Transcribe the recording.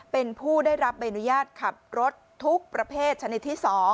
เป็นผู้ได้รับใบอนุญาตขับรถทุกประเภทชนิดที่๒